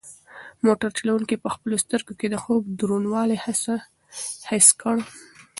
موټر چلونکي په خپلو سترګو کې د خوب دروندوالی حس کړ.